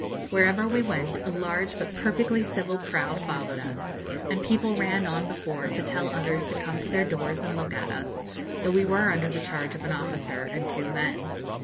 Wherever we went a large but perfectly civil crowd followed us, and people ran on before to tell others to come to their doors and look at us, though we were under the charge of an officer and two men.